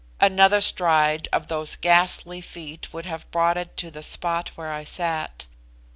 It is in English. Another stride of those ghastly feet would have brought it to the spot where I sat.